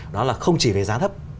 đó là không chỉ về giá thấp